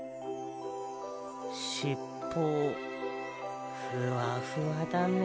しっぽふわふわだね。